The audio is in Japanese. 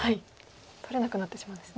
取れなくなってしまうんですね。